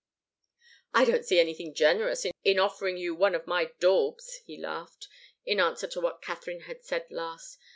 "I don't see anything generous in offering you one of my daubs!" he laughed, in answer to what Katharine had said last.